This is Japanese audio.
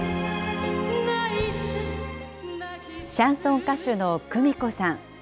シャンソン歌手のクミコさん。